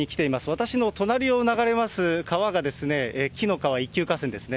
私の隣を流れます川が紀の川、一級河川ですね。